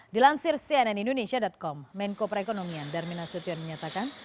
dilansir cnn indonesia com menko perekonomian darmina sutian menyatakan